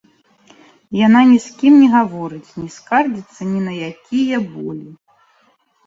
Яна ні з кім не гаворыць, не скардзіцца ні на якія болі.